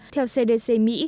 theo cdc mỹ